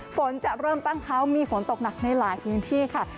ฝนจะเริ่มตั้งเขามีฝนตกหนักในหลายพื้นที่ค่ะ